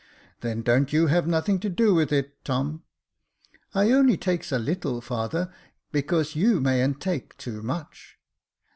" Then don't you have nothing to do with it, Tom." " I only takes a little, father, because you mayn't take too much."